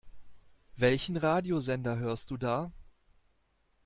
Welchen Radiosender hörst du da?